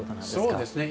そうですね。